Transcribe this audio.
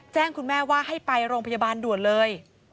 คุณแม่ว่าให้ไปโรงพยาบาลด่วนเลย